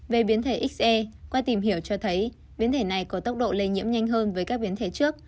về biến thể xê qua tìm hiểu cho thấy biến thể này có tốc độ lây nhiễm nhanh hơn với các biến thể trước